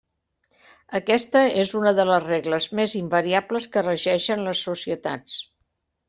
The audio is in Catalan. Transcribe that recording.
Aquesta és una de les regles més invariables que regeixen les societats.